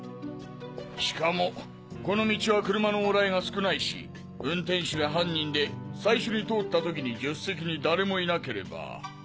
しかもこの道は車の往来が少ないし運転手が犯人で最初に通った時に助手席に誰もいなければ。